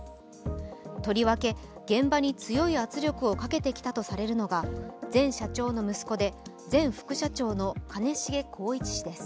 とりわけ現場に強い圧力をかけてきたとされるのが前社長の息子で前副社長の兼重宏一氏です。